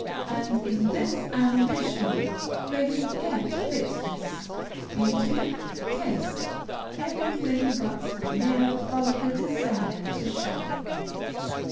And, in this ambition, they forget fitness, beauty, taste, everything but the mere vulgar desire to shine.